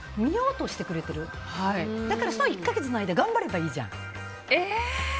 だから、その１か月頑張ればいいじゃん。